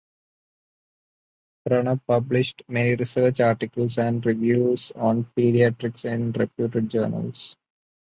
Pranab published many research articles and reviews on Paediatrics in reputed journals.